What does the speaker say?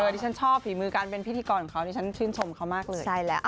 ดิฉันชอบฝีมือการเป็นพิธีกรของเขาดิฉันชื่นชมเขามากเลย